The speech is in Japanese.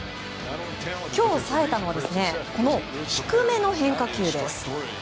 今日、冴えたのはこの低めの変化球です。